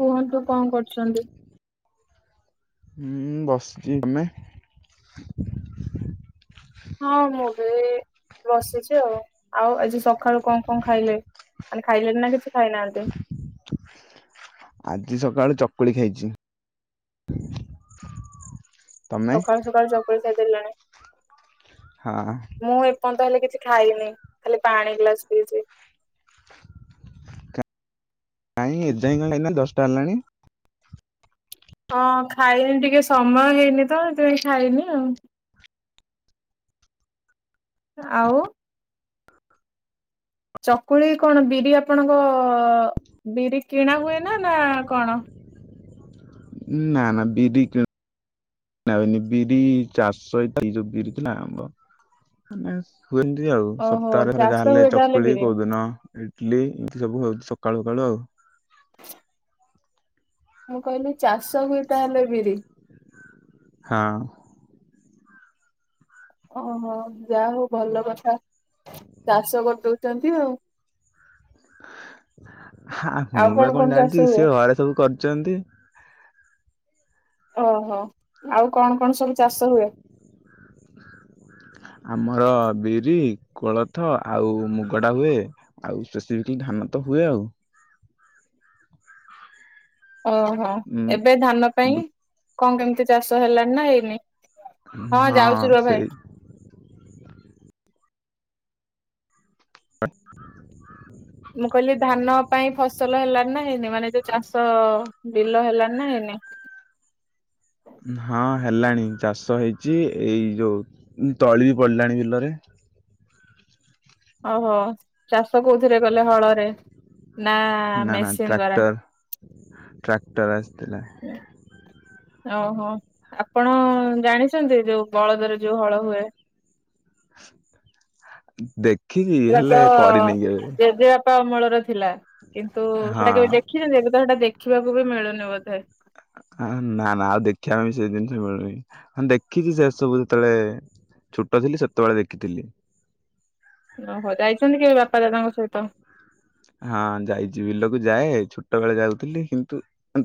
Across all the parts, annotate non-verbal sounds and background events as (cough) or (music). କୁହନ୍ତୁ କଣ କରୁଚନ୍ତି? ହୁଁ ବସଚି ତମେ? ହଁ ମୁଁ ବି ବସିଚି ଆଉ ଆଉ ଆଜି ସଖାଳୁ କଣ କଣ ଖାଇଲେ? ମାନେ ଖାଇଲେଣି ନା କିଛି ଖାଇନାହାନ୍ତି? ଆଜି ସକାଳୁ ଚକୁଳି ଖାଇଛି। ତମେ ସକାଳୁ ସକାଳୁ ଚକୁଳି ଖାଇଦେଲଣି। ହଁ। ମୁଁ ଏପର୍ଯ୍ୟନ୍ତ ହେଲେ କିଛି ଖାଇନି ଖାଲି ପାଣି ଗ୍ଲାସ୍ ପିଇଛି। କାଇଁ ଏଯାଇଁ କାଇଁ ନା ଦଶଟା ହେଲାଣି? ହଁ ଖାଇନି ଟିକେ ସମୟ ହେଇନି ତ ସେଥିପାଇଁ ଖାଇନି ଆଉ। ଆଉ। ଚକୁଳି କଣ ବିରି ଆପଣଙ୍କ ବିରି କିଣା ହୁଏ ନା ନା କଣ? ନା ନା ବିରି ନାନି ବିରି ଚାଷହ ଏ ଏଇ ଯୋ ବିରି ନା ଆମବ (unintelligible) ମାନେ ହୁଏନ୍ତି ଆଉ ଓହୋ ସପ୍ତାହରେ ଥରେ ଚାଷ ଯାହା ହେେଲେ ହୁଏ ତାହେଲେ ଚକୁଳି ବିରି କୋଉଦିନ ଇଡଲି ଏମିତି ସବୁ ହଉଛି ସକାଳୁ ସକାଳୁ ଆଉ। ମୁଁ କହିଲି ଚାଷ ହୁଏ ତାହେଲେ ବିରି? ହଁ। ଓହୋ ଯାହା ହଉ ଭଲ କଥା ଚାଷ କରିଦଉଛନ୍ତି ଆଉ। ଆ ଆଉ ମୁଁ ତ କଣ ଚାଷ ଜାଣିଛି ହୁଏ? ସେ ଘରେ ସବୁ କରିଛନ୍ତି। ଓହୋ ଆଉ କଣ କଣ ସବୁ ଚାଷ ହୁଏ? ଆମର ବିରି, କୋଳଥ ଆଉ ମୁଗଡ଼ା ହୁଏ। ଆଉ ସ୍ପେସିଫିକାଲି ଧାନ ତ ହୁଏ ଆଉ। ଓହୋ ଉଁ ଏବେ ଧାନ ପାଇଁ ବୁ- କଣ କେମିତି ଚାଷ ହେଲାଣି ନା ହେଇନି? ହଁ ଯାଉଛି ରୁହ ଭାଇ। ହ (unintelligible) ମୁଁ କହିଲି ଧାନ ପାଇଁ ଫସଲ ହେଲାନ ନା ହେଇନି ମାନେ ଯୋଉ ଚାଷ ବିଲ ହେଲାଣି ନା ହେଇନି? ହଁ ହେଲାଣି ଚାଷ ହେଇଛି। ଏଇ ଯୋଉ ତଳି ବି ପଡିଲାଣି ବିଲରେ। ଓହୋ ଚାଷ କୋଉଥିରେ କଲେ ହଳରେ? ନା ନା ନା ମେସିନ ଦ୍ଵାରା? ଟ୍ରାକ୍ଟର ଟ୍ରାକ୍ଟର ଆସିଥିଲା ଓହୋ ଆପଣ ଜାଣିଛନ୍ତି ଯୋଉ ବଳଦର ଯୋଉ ହଳ ହୁଏ? ଦେଖ ଟ ତ ଯ (unintelligible) ବାପା ଅମଳର ଥିଲା କିନ୍ତୁ ହଁ ସେଟା କେବେ ଦେଖିଛନ୍ତି ଏବେ ତ ସେଟା ଦେଖିବାକୁ ବି ମିଳୁନି ବୋଧେ। ହ ନା ନା ଆଉ ଦେଖିବା ପାଇଁ ବି ସେ ଜିନିଷ ମିଳୁନି ଦେଖିଛି ସେ ସବୁ ଯେତେବେଳେ ଛୋଟ ଥିଲି ସେତେବେଳେ ଦେଖିଥିଲି। ଓହୋ ଯାଇଛନ୍ତି କେବେ ବାପା ଦାଦାଙ୍କ ସହିତ? ହଁ ଯାଇଛି ବିଲକୁ ଯାଏ ଛୋଟ ବଳେ ଯାଉଥିଲି କିନ୍ତୁ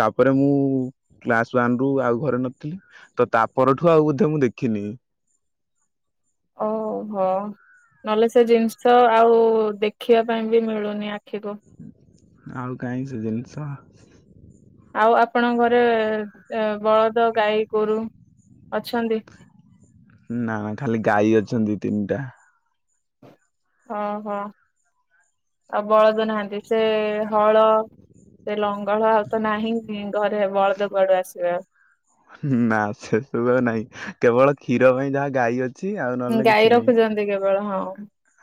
ତାପରେ ମୁଁ କ୍ଲାସ ୱାନ ରୁ ଆଉ ଘରେ ନଥିଲି ତ ତା ପରଠୁ ଆଉ ବୋଧେ ମୁଁ ଦେଖିନି। ଓହୋ। ନହେଲେ ସେ ଜିନିଷ ଆଉ ଦେଖିବା ପାଇଁ ବି ମିଳୁନି ଆଖିକୁ। ଆଉ କାହିଁ ସେ ଜିନିଷ। ଆଉ ଆପଣଙ୍କ ଘରେ ବଳଦ ଗାଈ ଗୋରୁ ଅଛନ୍ତି? ନା ନା ଖାଲି ଗାଈ ଅଛନ୍ତି ତିନିଟା। ଓ ହୋ। ଆଉ ବଳଦ ନାହାନ୍ତି ସେ ହଳ ସେ ଲଙ୍ଗ ହଳ ଆଉ ତ ନାହିଁ ଘରେ ବଳଦ କୁଆଡୁ ଆସିବେ ଆଉ। ନା ସେସବୁ ଆଉ ନାଇଁ କେବଳ କ୍ଷୀର ପାଇଁ ଯାହା ଗାଈ ଅଛି। ଆଉ ନହେଲେ ଗାଈ କିଛି ନାହିଁ। ରଖୁଛନ୍ତି କେବଳ ହଁ।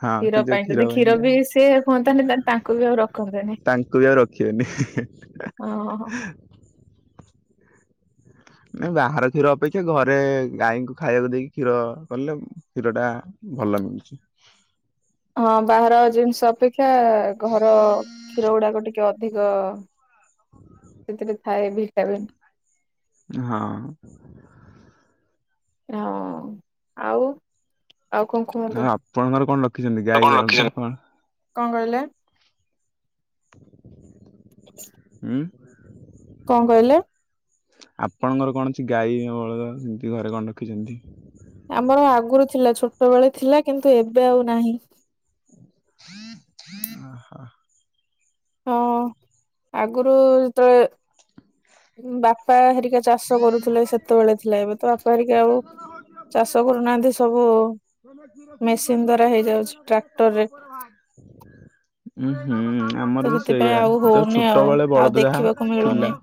ହଁ କି ଯୋଉ ପାଇଁ ଯଦି କ୍ଷୀର ଗାଈ, ବି ସିଏ ହୁହନ୍ତାନି ତାଙ୍କୁ ବି ଆଉ ରଖନ୍ତେନି। ତାଙ୍କୁ ବି ଆଉ ରଖିବେନି ଓ ହୋ। ନାଇ ବାହାର କ୍ଷୀର ଅପେକ୍ଷା ଘରେ ଗାଈଙ୍କୁ ଖାଇବାକୁ ଦେଇକି କ୍ଷୀର କଲେ କ୍ଷୀରଟା ଭଲ ମିଳୁଛି। ହଁ ବାହାର ଜିନିଷ ଅପେକ୍ଷା ଘର କ୍ଷୀର ଗୁଡାକ ଟିକେ ଅ ଅଧିକ ସେଥିରେ ଥାଏ ଭିଟାମିନ୍। ହଁ। ହଁ ଆଉ ଆଉ କଣ କୁହନ୍ତୁ? ଆଉ ଆପଣଙ୍କର କଣ ରଖିଛନ୍ତି ଗାଈ ଗୁହାଳ ତ କଣ? କଅଁ କହିଲେ? ଉଁ। କଅଁ କହିଲେ? ଆପଣଙ୍କର କଣ ଅଛି ଗାଈ ବଳଦ ସେମିତି ଘରେ କଣ ରଖିଛନ୍ତି? ଆମର ଆଗରୁ ଥିଲା ଛୋଟବେଳେ ଥିଲା କିନ୍ତୁ ଏବେ ଆଉ ନାହିଁ। ଓ ହ। ହଁ ଆଗରୁ ଯେତେବେଳେ ବାପା ହେରିକା ଚାଷ କରୁଥିଲେ ସେତେବେଳେ ଥିଲା ଏବେ ତ ବାପା ହେରିକା ଆଉ ଚାଷ କରୁନାହାନ୍ତି ସବୁ ତମେ କିରୋସିନି ମେସିନ କରିବ ଦ୍ଵାରା କି ଜଡ଼ା ହେଇଯାଉଛି ତେଲ କରିବ ଟ୍ରାକ୍ଟରରେ। ତମ ଉପରେ ଭାର। ଉୁଁ ହୁଁ। ତ ଆମର ବି ସେଥିପାଇଁ ସେଇଆା ଆଉ ଯୋଉ ହଉନି ଆଉ ଛୋଟବେେଳେ ଆଉ ବଳଦ ଦେଖିବାକୁ ଯାହା ମିଳୁନି ଥିଲା।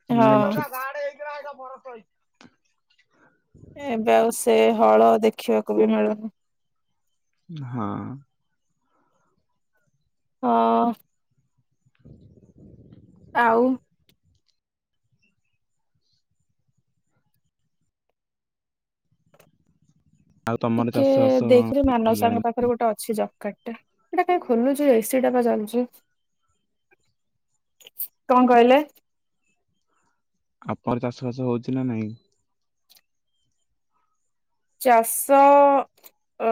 ଏ ହଁ ଯୋଉଟ ଗାଡ ହେଇଥିଲା ଏଇଟା ପଣସ ହେଇଛି। ଏବେ ଆଉ ସେ ହଳ ଦେଖିବାକୁ ବି ମିଳୁନି। ହଁ। ଅଁ। ଆଉ ଆଉ ତମର ଟିକେ ଚାଷ ବାସ କଣ ଦେଖିଲେ ମାନ ହେଲାଣି ସାଙ୍ଗ ପାଖ ର ଗୋଟେ ଅଛି ଜବ୍କାର୍ଡ଼ କାଇଁ ଖୋଲୁଛୁ ଏସି ଟା ବା ଚାଲଚୁ। କଅଁ କହିଲେ? ଆପର ଚାଷ ବାସ ହଉଛି ନା ନାଇଁ? ଚାଷ ଅ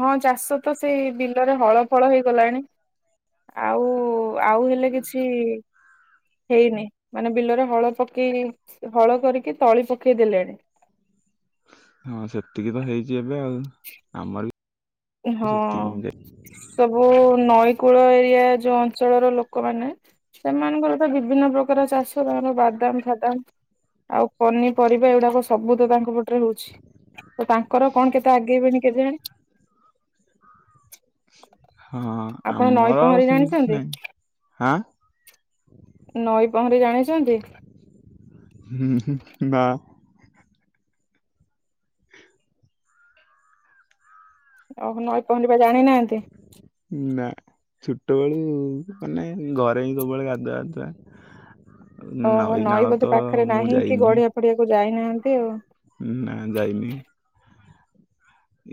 ହଁ ଚାଷ ତ ସେଇ ବିଲରେ ହଳ ଫଳ ହେଇଗଲାଣି। ଆଉ ଆଉ ହେଲେ କିଛି ହେଇନି ମାନେ ବିଲରେ ହଳ ପକେଇ ହଳ କରିକି ତଳି ପକେଇ ଦେଲେଣି। ହଁ ସେତିକି ତ ହେଇଛି ଏବେ ଆଉ ଆମର ବି ହଁ ସେତିକି ହିଁ ଯାଇ ସବୁ ନଈ କୂଳିଆ ଏରିଆ ଯୋଉ ଅଞ୍ଚଳର ଲୋକମାନେ ସେମାନଙ୍କର ତ ବିଭିନ୍ନ ପ୍ରକାର ଚାଷ ତାର ବାଦାମ ଫାଦାମ ଆଉ ପନିପରିବା ଏଗୁଡାକ ସବୁ ତ ତାଙ୍କପଟେ ହଉଛି ତ ତାଙ୍କର କଣ କେତେ ଆଗେଇବେଣି କେଜାଣି। ହଁ ଆପଣ ନଈ ଆମର ପହଁରି ସେମିତି କିଛି ଜାଣିଛନ୍ତି ନହିଁ ହାଁ। ନଈ ପହଁରୀ ଜାଣିଛନ୍ତି? ହୁଁ ହୁଁ ନା ଓହୋ ନିଈ ପହଁରା ଜାଣିନାହାନ୍ତି? ନା ଛୋଟବେେଳୁ ମାନେ ଘରେ ହିଁ ସବୁବେଳେ ଗାଧୁଆ ଫଧୁଆ ଓହୋ ନଈ ବୋଧେ ପାଖରେ ନାହିଁ କି ଯାଇନି ଗଢିଆ ଫଡିଆକୁ ଯାଇନାହାନ୍ତି ଆଉ। ନା ଯାଇନି।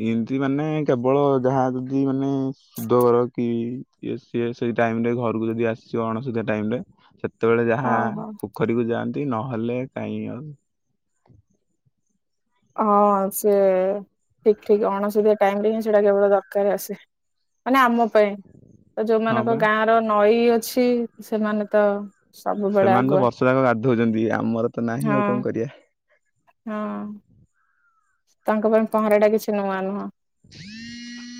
ଏମିତି ମାନେ କେବଳ ଯାହା ଯଦି ମାନେ ସୁଧ ଘର କି ଇଏ ସିଏ ସେ ଟାଇମ ରେ ଘରକୁ ଯଦି ଆସି ଯିବ ଅଣସୁଧିଆ ଟାଇମ ରେ ସେ ସେତେବେଳେ ଯାହା ଓହୋ ପୋଖରୀକୁ ଯାଆନ୍ତି ନହେଲେ କାହିଁ ଆଉ। ହଁ ସେ ଠିକ୍ ଠିକ୍ ଅଣସୁଧୀଆ ଟାଇମରେ ହିଁ ସେଟା କେବଳ ଦରକାର ରେ ଆସେ। ମାନେ ଆମ ପାଇଁ ତ ହଁ ଯୋଉମାନଙ୍କ ବା ଗାଁ ର ନଈ ଅଛି ସେମାନେ ତ ସବୁବେଳେ ସେମାନେ ତ ଆଗୁଆ ବର୍ଷ ଯାକ ଗାଧଉଛନ୍ତି ଆମର ତ ନାହିଁ ହଁ ଆଉ କଣ କରିବା। ହଁ ତାଙ୍କ ପାଇଁ ପହଁରା ଟା କିଛି ନୂଆ ନୁହଁ।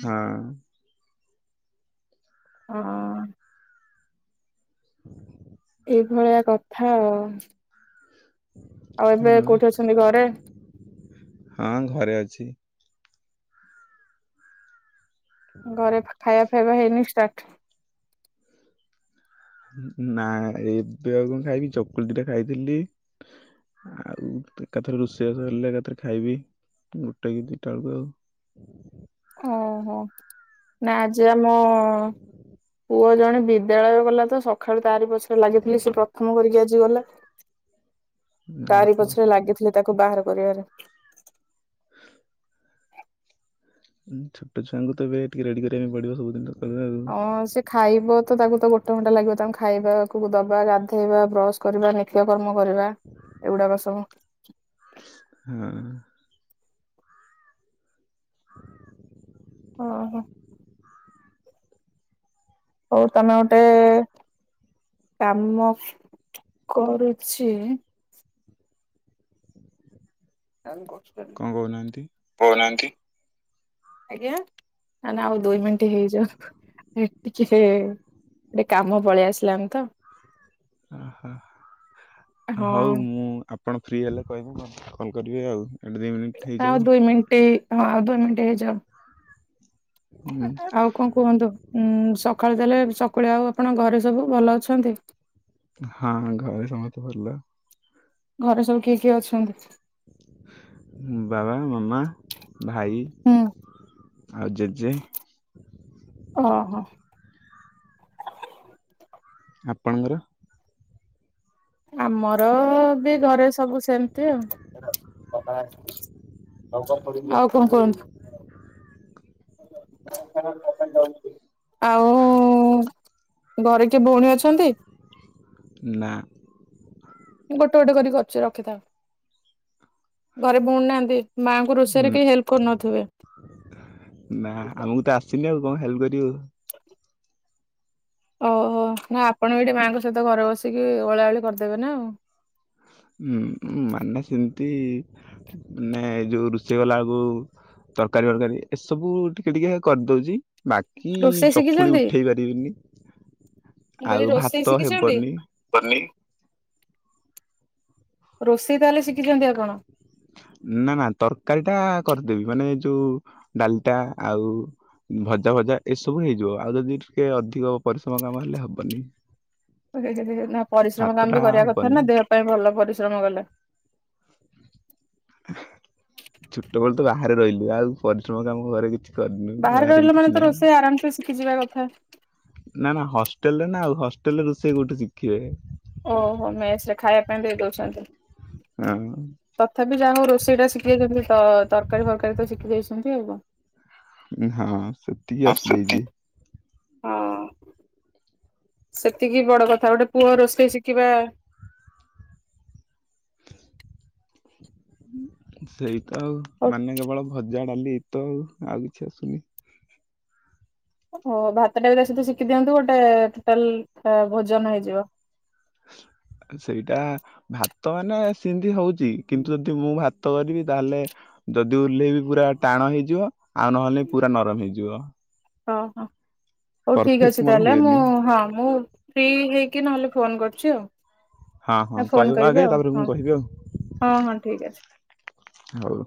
ହଁ। ହଁ ଏଇଭଳିଆ କଥା ଆଉ। ଆଉ ଏବେ ହଁ କୋଉଠି ଅଛନ୍ତି ଘରେ? ହଁ ଘରେ ଅଛି। ଘରେ ଖାଇବା ଫାଇବା ହେଇନି ଷ୍ଟାର୍ଟ। ନା ଏବେ ଆଉ କଣ ଖାଇବି ଚକୁଳି ପିଠା ଖାଇଥିଲି। ଆଉ ଏକାଥରେ ରୋଷେଇବାଷ ହେଲେ ଏକାଥରେ ଖାଇବି। ଗୋଟେ କି ଦିଇଟାଳକୁ ଆଉ। ଯେ ଆମ ପୁଅ ଜଣେ ବିଦାୟ ଗଲାତ ସକାଳୁ ତାରି ପଛରେ ସେ ଲାଗିଥିଲି ସେ ପ୍ରଥମ କରିକି ଆଜି ଗଲା। ତାରି ଓହୋ ପଛରେ ଲାଗିଥିଲି ତାକୁ ବାହାର କରିବାପାଇଁ। ଛୋଟ ଛୁଆଙ୍କୁ ତ ଏବେ ଟିକେ ରେଡି କରିବା ପାଇଁ ପଡିବ ସବୁଦିନ ତ ହଁ ସେ ଖାଇବ ତ ତାକୁ ତ ଗୋଟେ ଘଣ୍ଟା ଲାଗିବ ତାଙ୍କୁ ଖାଇବା କୁ ଦବା ଗାଧେଇବା ବ୍ରସ କରିବା ନିତ୍ୟ କର୍ମ କରିବା ଏଗୁଡାକ ସବୁ। ହଁ। ଓହୋ। ହଉ ତମେ ଗୋଟେ କାମ କରୁଛି। (inaudible) କଣ କହୁନାହାନ୍ତି? କହୁନାହାନ୍ତି ଆଜ୍ଞା ଆଉ ଦୁଇ ମିନିଟ ହେଇଯାଉ। ଟିକେ ଗୋଟେ କାମ ପଳେଇ ଆସିଲାଣି ତ। ଓହ ହଁ ହଉ ମୁଁ ଆପଣ ଫ୍ରି ହେଲେ କହିବି ମୁଁ କଲ କରିବି ଆଉ। ଏଠି ଦି ମିନିଟ୍ ଆଉ ହେଇଯାଉ। ଦୁଇ ମିନିଟ ହଁ ଆଉ ଦୁଇ ମିନିଟ ହେଇଯାଉ। ହୁଁ ଆଉ କଣ କୁହନ୍ତୁ? ଉଁ ସକାଳୁ ଦେଲେ ସକାଳେ ଆଉ ଆପଣ ଘରେ ସବୁ ଭଲ ଅଛନ୍ତି। ହଁ ଘରେ ସମସ୍ତେ ଭଲ। ଘରେ ସବୁ କିଏ କିଏ ଅଛନ୍ତି? ବାବା ମାମା ଭାଇ ହୁଁ ଆଉ ଜେଜେ। ଓହୋ। ଆପଣଙ୍କର? ଆମର ବି ଘରେ ସବୁ ସେମତି ଆଉ। ଆଉ କଣ କୁହନ୍ତୁ? (unintelligible) ଆଉ ଘରେ କିଏ ଭଉଣୀ ଅଛନ୍ତି? ନା। ମୁଁ ଗୋଟେ ଗୋଟେ କରିକି କରି କରୁଚି ରଖିଥାଓ। ଘରେ ଭଉଣୀ ନାହାନ୍ତି? ମାଆଙ୍କୁ ରୋଷେଇରେ ନା କେହି ହେଲ୍ପ କରୁନଥିବେ। ନା। ଆମକୁ ତ ଆସିନି ଆଉ କଣ ହେଲ୍ପ କରିବୁ। ଓହୋ। ନା ଆପଣ ବି ଏଠି ମାଆଙ୍କ ସହିତ ଘରେ ବସିକି ଓଳାଓଳି କରିଦେବେ ନା ଆଉ। ଉଁ ଉଁ ମାନେ ସେମତି ମାନେ ଯୋଉ ରୋଷେଇ ଗଲାବେଳକୁ ତରକାରୀ ଫରକାରୀ ଏସବୁ ଟିକେ ଟିକେ କରିଦଉଚି। ବା କି ରୋଷେଇ ଚକୁଳି ଶିଖିଛନ୍ତି? ଉଠେଇ ପାରିବିନି, ମୁଁ କହିଲି ଆଉ ରୋଷେଇ ଭାତ ଶିଖିଛନ୍ତି? ହେବନି। (unintelligible) ରୋଷେଇ ତାହେଲେ ଶିଖିଛନ୍ତି ଆଉ କଣ? ନା ନା ତରକାରୀ ଟା କରିଦେବି। ମାନେ ଯୋଉ ଡାଲିଟା ଆଉ ଭଜା ଭଜା ଏସବୁ ହେଇଯିବ। ଆଉ ଯଦି ଟିକେ ଅଧିକ ପରିଶ୍ରମ କାମ ହେଲେ ହବନି। ନା ପରିଶ୍ରମ କାମ ଭାତଟା ବି କରିବା କଥା ହବନି। ନା ଦେହ ପାଇଁ ଭଲ ପରିଶ୍ରମ କଲେ। ଛୋଟବେଳୁ ତ ବାହାରେ ରହିଲୁ, ଆଉ ପରିଶ୍ରମ କାମ ଘରେ କିଛି କରିନୁ ବାହାରେ ବି ରହିଲେ ମାନେ କିଛି ତ ନାହିଁ। ରୋଷେଇ ଆରାମ ସେ ଶିଖିଯିବା କଥା। ନା ନା ହଷ୍ଟେଲ ରେ ନା ଆଉ ହଷ୍ଟେଲ ରେ ରୋଷେଇ କୋଉଠୁ ଶିଖିବେ। ଓହୋ ମେସ୍ ରେ ଖାଇବା ପାଇଁ ଦେଇ ଦଉଛନ୍ତି। (unintelligible) ତଥାପି ଯାହା ହଉ ରୋଷେଇ ଟା ଶିଖିଯାଇଛନ୍ତି ତ ତରକାରୀ ଫରକାରୀ ତ ଶିଖି ଯାଇଛନ୍ତି ଆଉ କଣ। ହଁ ସେତିକି ଆସିଯାଇଚି। ହଁ। ସେତିକି ବଡ କଥା। ଗୋଟେ ପୁଅ ରୋଷେଇ ଶିଖିବା ସେଇତ ଆଉ ହଉ ମାନେ କେବଳ ଭଜା ଡାଲି ଏ ତ ଆଉ ଆଉ କିଛି ଆସୁନି। ଓ ଭାତ ଟା ବି ତା ସହିତ ଶିଖି ଦିଅନ୍ତୁ ଗୋଟେ ଟୋଟାଲ୍ ଭୋଜନ ହେଇଯିବ। ସେଇଟା ଭାତ ମାନେ ସିନ୍ତି ହଉଚି। କିନ୍ତୁ ଯଦି ମୁଁ ଭାତ କରିବି ତାହେଲେ ଯଦି ଓଲ୍ହେଇବି ପୁରା ଟାଣ ହେଇଯିବ। ଆଉ ନହେଲେ ପୁରା ନରମ ହେଇଯିବ। ଓ ହଁ। ହଉ ଠିକ୍ ପରଫେକ୍ଟ ଅଛି ମୋର ତାହେଲେ ମୁଁ ହୁଏନି। ହଁ ମୁଁ ଫ୍ରି ହେଇକି ନହେଲେ ଫୋନ୍ କରୁଚି ଆଉ। ହଁ ହଁ। ଫୋନ କହିବ କରିବେ ଆଗେ ଆଉ ତାପରେ ହଁ ମୁଁ କହିବି ଆଉ। ହଁ ହଁ ଠିକ୍ ଅଛି। ହଉ।